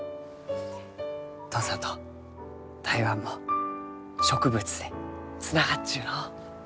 土佐と台湾も植物でつながっちゅうのう。